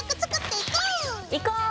いこう！